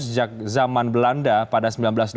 sejak zaman belanda pada seribu sembilan ratus delapan puluh